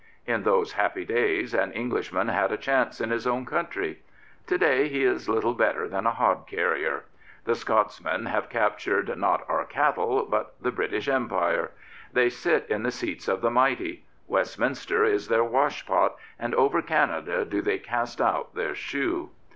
In those happy days an English man had a chance in his own country. To day he is little better than a hod carrier. The Scotsmen have captured not our cattle, but the British Empire. They sit in the seats of the mighty. Westminster is their washpot, and over Canada do they cast out their shoe.